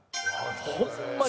ホンマに。